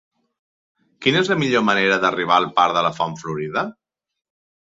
Quina és la millor manera d'arribar al parc de la Font Florida?